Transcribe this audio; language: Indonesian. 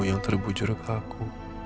yang terbujur ke aku